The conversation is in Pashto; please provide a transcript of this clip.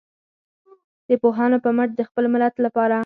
د پوهانو په مټ د خپل ملت لپاره.